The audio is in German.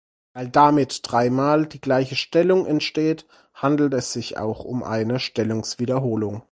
Weil damit dreimal die gleiche Stellung entsteht, handelt es sich auch um eine Stellungswiederholung.